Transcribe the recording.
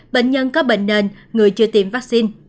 bệnh nhân có bệnh nền người chưa tiêm vaccine